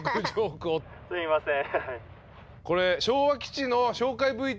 すみません。